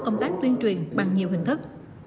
công tác tuyên truyền bằng nhiều hình thức